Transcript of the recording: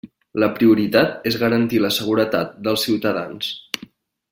La prioritat és garantir la seguretat dels ciutadans.